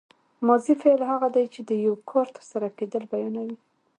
ماضي فعل هغه دی چې د یو کار تر سره کېدل بیانوي.